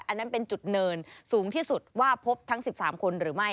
อันนั้นเป็นจุดเนินสูงที่สุดว่าพบทั้ง๑๓คนหรือไม่